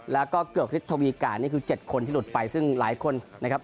แล้วก็เกือกฤทธวีการนี่คือ๗คนที่หลุดไปซึ่งหลายคนนะครับ